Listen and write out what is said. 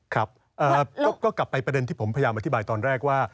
ครับก็กลับไปประเด็นที่ผมพยายามอธิบายตอนแรกว่า